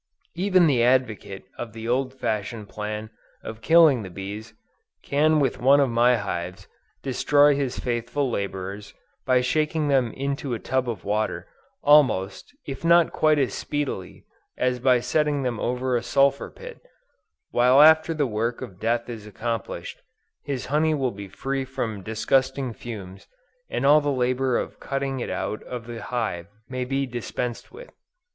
Even the advocate of the old fashioned plan of killing the bees, can with one of my hives, destroy his faithful laborers, by shaking them into a tub of water, almost, if not quite as speedily as by setting them over a sulphur pit; while after the work of death is accomplished, his honey will be free from disgusting fumes, and all the labor of cutting it out of the hive, may be dispensed with.